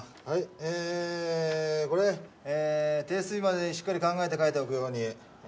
はいえこれ提出日までにしっかり考えて書いておくように。